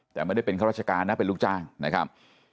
แต่ไม่ได้เป็นข้าราชการนะเป็นลูกจ้างนะครับ